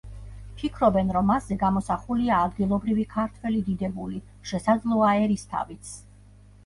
ფიქრობენ, რომ მასზე გამოსახულია ადგილობრივი ქართველი დიდებული, შესაძლოა ერისთავიც.